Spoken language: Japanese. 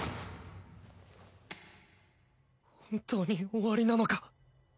本当に終わりなのか？